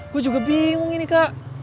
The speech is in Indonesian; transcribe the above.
gue juga bingung ini kak